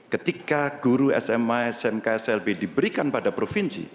ketika guru sma smk slb diberikan pada provinsi